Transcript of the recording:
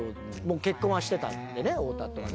結婚はしてたんでね、太田とね。